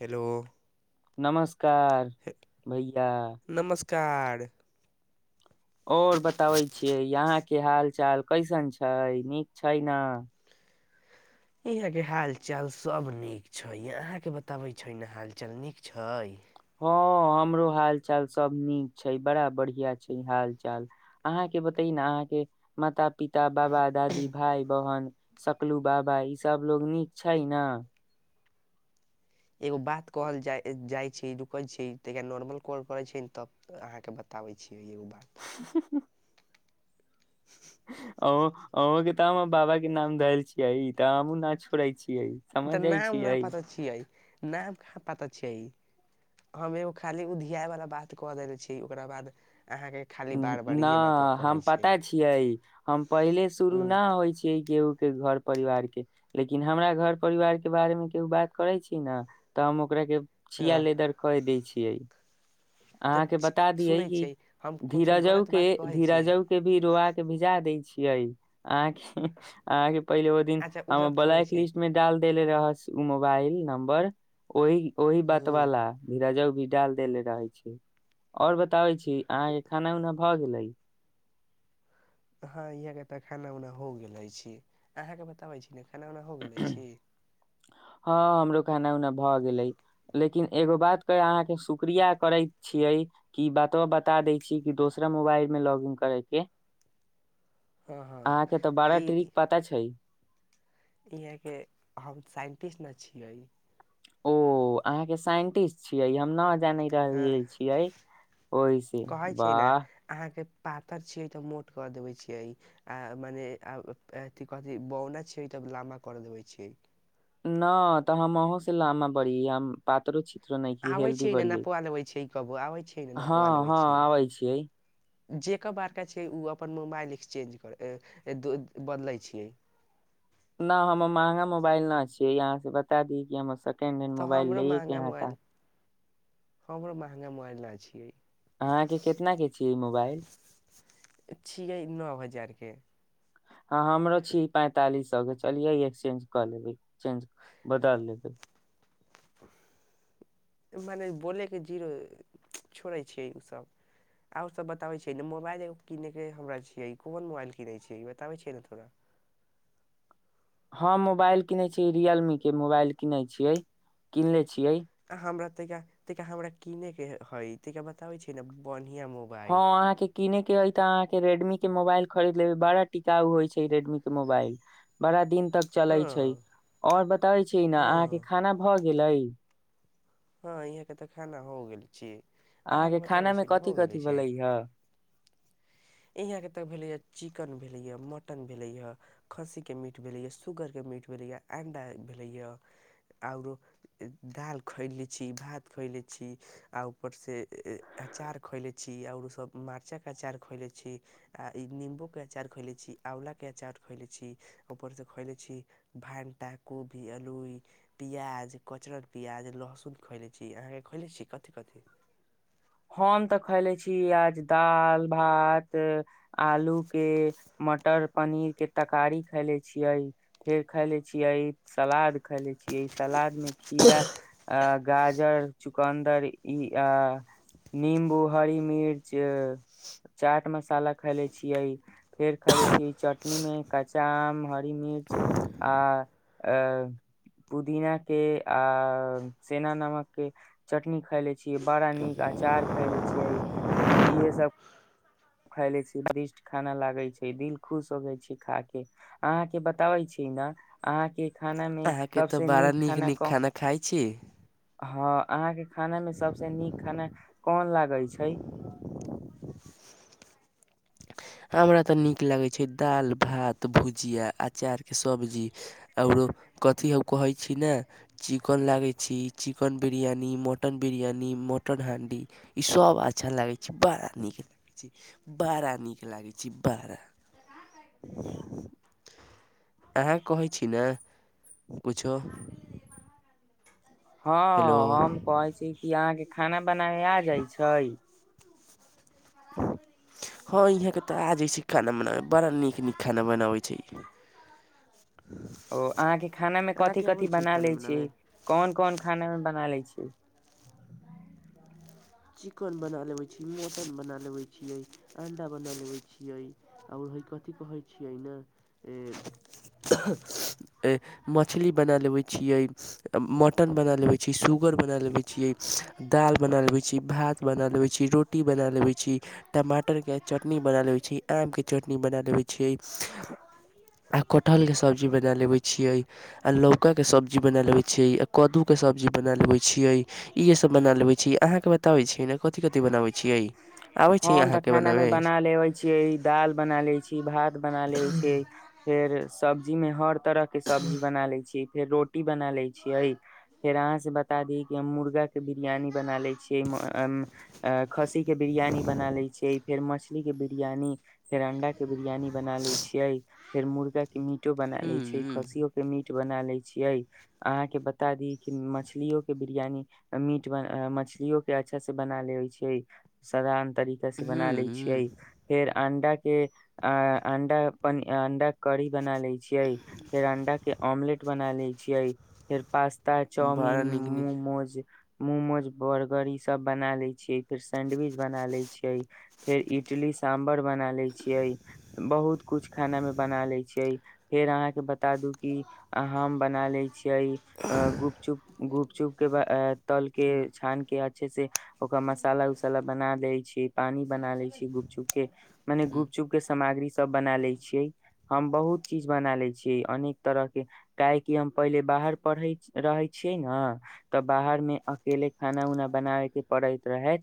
Hello नमस्कार भैया। कार। और बताबै छियै, यहाँ के हाल चाल कैसन छै नीक छै ने। ईहां के हाल चाल सब नीक छै, अहां के बताबे छै ने हाल चाल नीक छै। हँ, हमरो हाल चाल सब नीक छै बड़ा बढ़ि येह छै हाल चाल। अहाँ के बतई न, अहाँ के माता पिता, बाबा, दादी, भाई, बहन सकलू बाबा ई सभलोग नीक छै न। एगो बात कहल जाय जाय छै रुकै छै त नॉर्मल कॉल करे छै तब अहाँ के बताबे छी। हूं हूं अ अ के तऽ हमर बाबा के नाम धल छियै तऽ हमहु ना छोड़े छी। इयै तऽ समझइ नाम न छियै। पता छियै नाम कहाँ पता छै, हम एगो खाली उधियाय वाला बात क देनेे छी ओकरा बाद अहाँके खाली उम्म बार बार ना इहे बात हम कहै पता छियै, हम पहिले शुरू हूँ न होइ छियै केयो के घर परिवार के, लेकिन हमरा घर परिवार के बारेमे केयो बात करै छी ने तऽ हम ओकरे के हँ छिआ लेदर कय दै छी इयई तऽ सुनै छियै हम कुछो धीरजउ गलत बात के कहै छियै धीरजउ के भी रोआ के भिजा दे। छियइ आहके आहके पहिले ओ दिन अच्छा हम ओसभ छोड़ै ब्लैक छियै लिस्ट में डाल देले रह उ मोबाइल। नम्बर ओहि ओहि बात हूँ वाला भीरा जाउ। भी डाल देले रहै छैय और बताबै छी अहाँ खाना उना भऽ गेलै। हँ यह के तऽ खाना उना हो गेल छी अहाँ के बताबै छी। खाना उना हो गेले छी। हँ हमरो खाना उना भऽ गेलै लेकिन एगो बातके अहाँके शुक्रिया करै छियै कि बातो बता दै छी कि दोसरा मोबाइलमे लॉग इन करैके। हँ हँ ई पता छै इहा के हम सा [unintelligible] न छियै। ओ अहाँके साइंटिस्ट छियै हम ना। जान रहल हँ छिय ओहिसे कहै छियै ने वाह अहाँके पातर छियै तऽ मोट कर देबे छियै आ मने अथी कथि बौना छियै त लमबा कर देबे छियै। न तऽ हम अहु स लामा बड़ी आम पातर छी। आबै छियै न नपुआ लबै काबो, आबै छियै नहि हँ नपआ लबै हँ छियै। आबै छियै जेकर बारका छैय ओ अपन मोबाइल एक्सचेंज कर द बदलै छियै। न हमर महंगा मोबाइल न छियै, इ आहाँ के बता दी कि हम स तीन दिन तऽ मोबाइल हमरो लैए के महंगा यहाँ क मोबाइल हमरो महंगा मोबाइल न छियै। अहाँके केतना के छियै मोबाइल। छियै नौ हजार के। हँ हमरो छीयै पैंतालिस सौ के, चलियै ई एक्सचेंज कऽ लेबै एक्सचेंज बदल लेबै। मने बोलेके जीरो, छोड़ै छियै ओसभ आ ओसभ बताबै छियै ने मोबाइल एगो किनय के हमरा छियै, कोन मोबाइल किनै छियै ई बताबै छियै ने थोड़ा। हम मोबाइल किनै छियै रियल मी के मोबाइल किनै छियै किनले छियै आ हमरा तेकरा तेकरा हमरा किने के हइ तैका बताबै छै ने बढ़ हँ, अहाँके कीनय के अइ तऽ अहाँके रेडमी के मोबाइल खरीद लेबै, बड़ा टिकाउ होइ छै रेडमी के मोबाइल बड़ा दिन तक चलै हँ छै ओर बताबै छि न अहाँ के हँ खाना भऽ गेलई। हँ, ईहके तऽ खाना हो गेल। अहाँ के अहाँके बताबै खाना मे छी न कथि हो गेले कथि छियै भेलै ह यहाँ के त भेलेयै चिकन। भेलै मैं मटन भेलै ह खसी के मीट भेलै मैं सुगर के मीट भेलै य अंडा भेलै य आउरो दाल खैली। छि भात खइले [unintelligible] छी आ उपर से अचार खइले छी आओर सब मारचक अचार खइले छी आ इ निम्बू खइले छी आंवला के अचार खइले छी उपर स खइले छी भाटा कोबी अलुइ पियाज कचरल पियाज लहसुन। खइले छी, अहाँके खइले छी कथी कथी। हम तऽ खैले छी आज दाल, भात, आलू के मटर पनीर के तकारी खायले छियै, फेर खायले छियै सलाद खैले छियै सलाद मे खीरा आ। गाजर चुकन्दर ई आ। नीं्बू हरी मिर्च चाट मसाला खायले छियै फेर खाायले छीियै चटनी मे कच्चा आम हरी मिर्च आ ए पुदीना के आ सेना नमक के चटनी खायले छीियै बड़ा नीक आई। अचाार खयले छियै इहे सब। खायले छीय स्वादिष्ट खाना लागै छै दिल खुश होजाइ छैय खा के अहाँके बताबै छी न अहाँके। अहाँके तऽ बड़ा नीक नीक खाना खाइ छी। हँ अहाँके खानामे सभसँ नीक खाना कोन लागै छैय। हमरा तऽ नीक लागैत छै दाल भात भुजिया अचार के सब्जी आओरो कथी हम कहैत छी ने चिकन लागैत छी chicken biryani mutton biryani mutton हांडी ईसभ अच्छा लागैत छैय बड़ा नीक लागैत छैय बड़ा नीक। नीक लगाई छैय बारा अहाँ कह छी नेइ कुछो। हँ हेलो हम कहै छी कि यहाँके। खाना। बनाय आ जाइ छैय। हँ इहाँके तऽ आ जाइ छै खाना बनाबैमे बड़ा नीक नीक खाना बनाबै छैय। ओ अहाँके खाना मे कथि आबै कथि छै बना खाना लेइ बनाबै छियाई कोन कोन खाना मे बना लेइ छियाई। चिकन बना लेबै छियै मटन बना लेबै छियै अं्डा बना लेबै छियै आओरइ कथिी कहै छियै ने मछली बना लेबै छियै मटन बना लेबै छियै सुूगर बना लेबै छियै दाल बना लेबै छिये। छी भात बना लेबै छी रोटी बना लेबै छी टमाटरके चटनी बना लेबै छी आमके चटनी बना लेबै छियै आ कटहरके सब्जी बना लेबै छियै। आ लौका के सब्जी बना लेबै छिय आ कदू के सब्जी बना लेबै छियै इहे सब बना लेबै छिय अहाँके बात। बताबै छियाई ने कथि कथि बनाबै छियै। आबै छै हम तऽ अहाँके खाना मे बनाबे बना लेबै छियै दाल बना ले छीयै भात बना लेबै छियै फेर। सब्जीमे हर। तरह के सब्जी बना ले छी। फेर रोटी बना ले छीय फेर अहाँ से बता दी कि हम मुर्गा के बिरियानी। बना ले छियै म अ। एक। खस्सी के बिरयानी। बना ले छै। फेर मछली के बिरियानी फेर अंडा के बिरयानी। बना ले छियै। फेर मुर्गा। मीटो बना ले छै हम्म खस्सियो के मीट। बना ले छियै अहाँ के बता दी कि मछलियो के बिरयानी मीट मछलियो के अच्छा से बना ले छै। तरीका से बना लै हम्म छियै फेर। अंडा के अंडा अंडा करी बना ले छैय। छियै फेरंडा के ऑमलेट। बना लै छियै फेर। पास्ता चाउमिन बड़ा नीक नीक मोमोज। मोमोज बर्गर ई सब बना ले छीयै फेर सेैंडविच। फेर इडली साम्बर बना ले छियै बहुत कुछ खाना मे बना ले छियै फेर अहाँके बता दू की हम बना ल छी। छियै अ गुपचुप गुपचुप के तल के हम्म छान के अच्छे से ओकरा मसाला उसाला बना दे छै। पानी बना लै छियै गुपचुप के मने गुपचुप के सामग्री सब बना लै छियै हम बहुत चीज बना ले छियै अनेक तरह के काहेकि हम पहिले बाहर पढ़ रहै छियै ने तऽ बाहर मे अकेले खाना उना बनाबे के पड़ैत रहै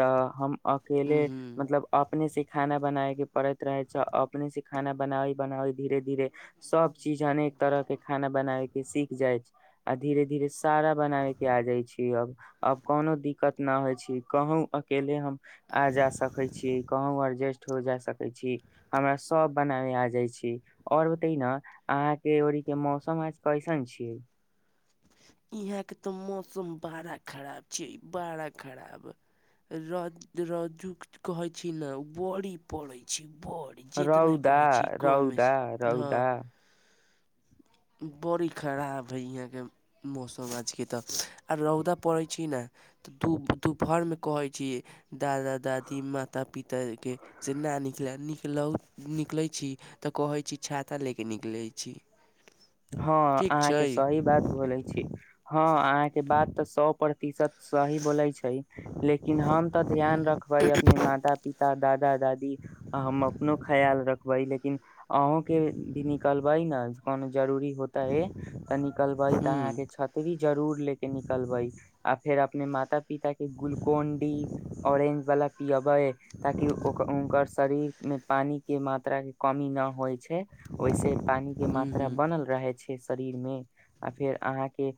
तऽ हम। केेले हम्म मतलब अपने से। खाना बनावे के पड़ैत रहे छैय अपने से खाना बनावै बनावी धीरे धीरे सब चीज अनेक तरह के खाना बनावे के सीख जाय छैय आ धीरे धीरे सारा बनावे के आ जाय छी अब अब कोनो दिक्कत न होइ छी कहू अकेले हम। आ जा सकै छीयै। कहु एडजस्ट हो जा सकै छीय हमरा सब बनाबे आ जाइ छी आ और बताई न अहाँ के ओरी के मौसम आज कैसन छियै। इहां के तऽ मौसम बड़ा खराब छैय बड़ा खराब र रु कहे छै ने बड़ी पड़े छैय। रौदा रौदा छै हँ रौदा। बड़ी खराब है यहाँ के। मौसम आजके तऽ आ रौदा पड़ैत छै ने तऽ दू दुपहरमे कहैत छी दादा दादी माता पिताके से नहि निकलय निकलहु निकलैत छी तऽ कहैत छी छाता लऽ कऽ निकलैत छी। हँ ठीक अहाँके छै सही ह्म बात बोले छी हाँ आहा के बात तऽ सौ परसेंट। तीसत। सही बोलै छै लेकिन हम तऽ ध्यान रखबै अपने माता पिता दादा दादी। हम अपनो ख्याल रखबै लेकिन अहों के भी निकलबै नइ कोन। जरूरी। होताई त निकलबइ त आहाँ के छतरी जरूर लेके निकलबइ आ। फेर अपने माता पिता के ग्लूकोनडी ऑरेंज वाला पियाब। बय ताकि ओकर शरीर। मे पानी के मात्रा के कमी न होइ छैय। ओहिसे पानी के ह्म मात्र। ह ह्म बनल रहे छैय। शरीर मे आ फेर अहाँके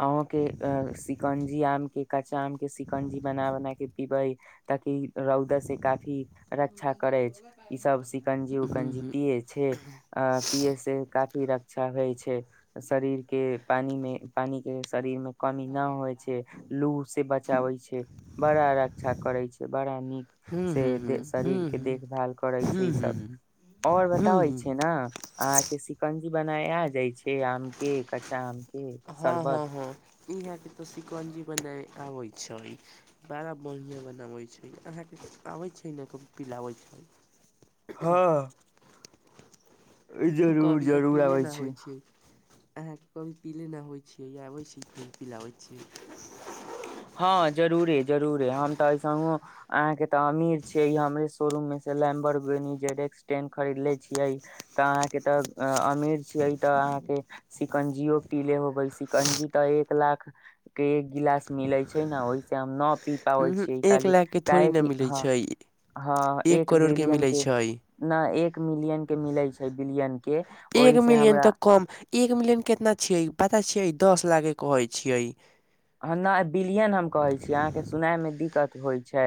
अहके शिकंजी आम के कच्चा आम के शिकंजी बना बना के पीबै ताकि रौद से काफी। रक्षा करै छैय ई सब शिकंजी उकंजी ह्म पिये छैय अ। से काफी रक्षा होइ छैय शरीर के पानी मे पानी के शरीर मे। कमी नहि होइ छैय लू से बचाबै छैय बड़ा रक्षा करै छैय बड़ा नीक से ह्म दे ह्म शरीरके ह्म देखभाल करै छैय ह्म ह्म ईसभ ह्म आओर बताबै छैय न। शिकंजी बनाय आ जाइ छैय आम के कच्चा आम के हँ, शरबत हँ, हँ, ईहा के त शिकंजी बना आबे छैय, बड़ा बढ़िया बनावे छैय। अहाँके आबै छैय। एहि लऽ कऽ पिलाबै छै। हँ। जरूर कभी तऽ जरूर पीले आबै न छै। होइ छियै अहाँके कभी पीले नहि होइ छियै, आबै छी ख पिलाबै छी। हँ, जरुररे-जरुररे, हम तऽ एहिस अहाँके तऽ अमीर छियै, हमरे शोरूम मे से लैम्बरड्स टेन खरीदले छियै तऽ अहाँके तऽ अमीर छियै, तऽ अहाँके शिकंजियो पी ले होबे, शिकंजी तऽ एक लाख के एक गिलास मिले छै न ओहिस हम न पी पाबै ऊहु, छियै एक खाली लाख के थोड़े काहे न कि मिलै हँ छै, एक करोड़ के मिलै छै, न एक मिलियन के मिलै छै बिलियन के एक ओहि से मिलियन हमरा तऽ कम एक मिलियन कितना छिय पता छ दस लाख के कहै छियै। नह बिलियन हम कहै छीय अहाँके सुना दिक्कत होइ छै,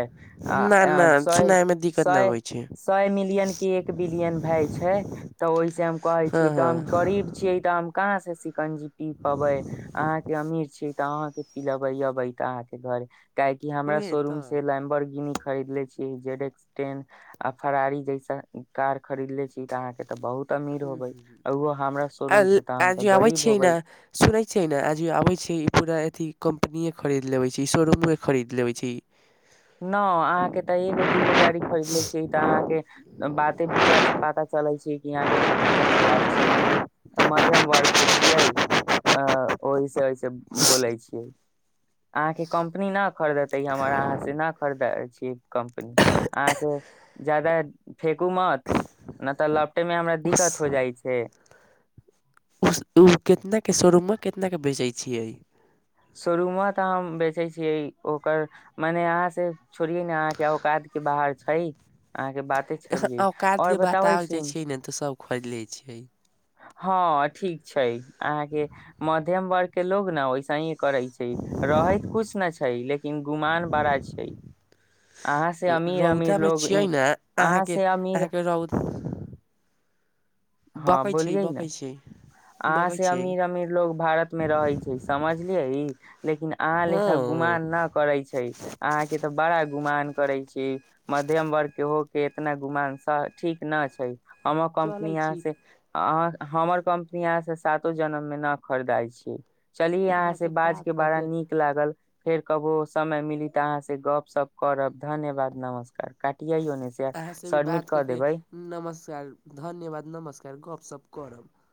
न न साए सुनाय मे दिक्कत न सए आबै छै सय मिलियन के एक बिलियन भाय छै तऽ ओहिस हम कहै हँ छी हँ हम गरीब छीयै तऽ हम कहाँ से चिकंजी पी पबे, अहाँ के अमीर छी तऽ अहाँ पिलबई अबई तऽ अहाँके घर काहेकी हमरा उहे शोरूम तऽ से लाइमबर्गिन खरीदले छी, जेड्स टेन, आ फरारी जैस कार खरीदले छी त अहाँ के ते बहुत अमीर होबै आ ओहो हमरा शोरूम से तऽ हम आज तऽ आबैत गरीब छियै ने होबै सुनैत छियै ने आज आबैत छीियै ई पूरा अथी कम्पनीे खरीद लेबे छी, शोरूमे खरीद लेबे छी। न अहाँके तऽ एगो दूगो गाड़ी खरीदले छियै तऽ अहाँके यहाँ के फर्टीचर क्लास छी, मिडिल मध्यम वर्ग के छियै ओहिसँ ओहिस बोलै छियै। अहाँके कं्पनी न खरीदेतै हमर अहाँ अहाँ जादा फेकू मत, नहि तऽ लटे मे हमरा उस दिक्कत हो जाइ छै। ओ कितना के शोरूममे कितना के बेचैत छियै। शोरूमो तऽ हम बेचै छियै ओकर, मने अहाँ से छोड़िये ने अहाँके औकात के बाहर छै अहाँके बाते यहाँ छोड़िये और औकातके बताबै बातावर जाइ छी छियै ने तऽ सभ खरीद लै छियै। हँ, ठीक छै। अहाँे मध्यम वर्ग के लोग न ओहिसही करै छै, रहैत कुछ न छै लेकिन गुमान बड़ा छै। अहाँ से अमीर अमीर रौदामे लोग छियै इन ने अहाँ अहाँके से अमीर अहाँके रौदा हँ, बोलिये न, छी अहाँ बकै से छी अमीर अमीर लोग भारत मे रहै छै समझ बुझलिय, लेकिन अहाँ हँ लेखा गुमान न करे छै अहाँ के तऽ बड़ा गुमान करे छी, मध्यम वर्ग के हो के इतना गुमान ठीक न छै। हमर चलै कम्पनी आ- छी अाँ। [unintelligible] हमर कम्पनी य से सातो जनम मे न खरीदाइ छी चल। अहाँ [unintelligible] से बाज बात के कऽ बड़ा नीक लागल फिर कबो समय मिली तऽ अहाँसँ गपशप करब। धन्यवाद नमस्कार काटियै ओने अहाँ से भी सबमिट बात कऽ के देबै नमस्कार धन्यवाद नमस्कार गप सप। [unintelligible] करब। [unintelligible]